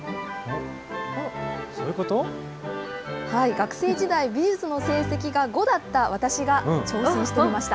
学生時代、美術の成績が５だった私が、挑戦してみました。